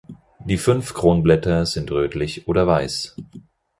Die fünf Kronblätter sind rötlich oder weiß.